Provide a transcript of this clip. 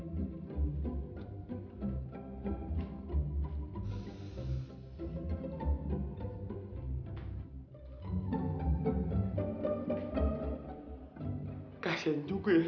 kasian juga ya si ena kalau tinggal sendirian